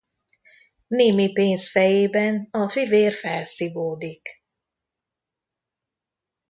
Némi pénz fejében a fivér felszívódik.